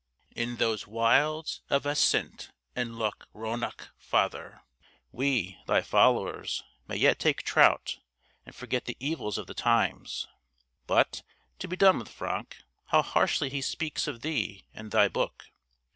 In those wilds of Assynt and Loch Rannoch, Father, we, thy followers, may yet take trout, and forget the evils of the times. But, to be done with Franck, how harshly he speaks of thee and thy book.